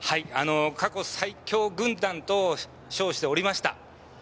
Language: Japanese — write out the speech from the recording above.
過去最強軍団と称しておりました。